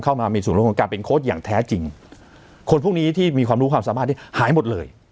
เข้ามามีส่วนร่วมของการเป็นโค้ชอย่างแท้จริงคนพวกนี้ที่มีความรู้ความสามารถที่หายหมดเลย